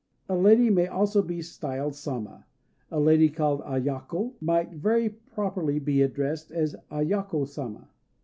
A lady may also be styled "Sama." A lady called Ayako, for instance, might very properly be addressed as Ayako Sama.